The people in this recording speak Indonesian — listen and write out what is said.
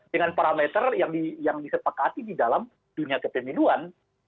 dengan parameter yang disepakati di dalam dunia kepemiluan